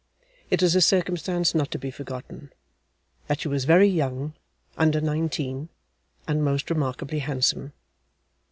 It is a circumstance not to be forgotten, that she was very young (under nineteen), and most remarkably handsome.